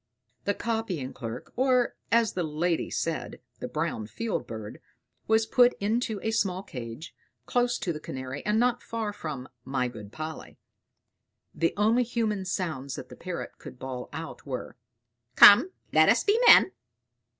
The copying clerk, or, as the lady said, the brown field bird, was put into a small cage, close to the Canary, and not far from "my good Polly." The only human sounds that the Parrot could bawl out were, "Come, let us be men!"